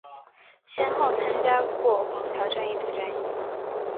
先后参加过黄桥战役等战役。